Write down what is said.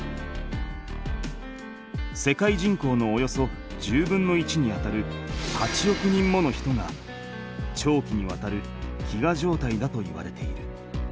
世界人口のおよそ１０分の１にあたる８億人もの人が長期にわたる飢餓状態だといわれている。